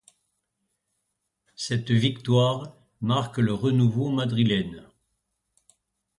Cette victoire marque le renouveau madrilène.